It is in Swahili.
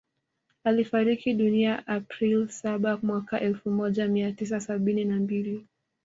Alifariki dunia April saba mwaka elfu moja mia tisa sabini na mbili